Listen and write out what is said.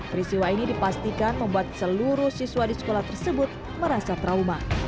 peristiwa ini dipastikan membuat seluruh siswa di sekolah tersebut merasa trauma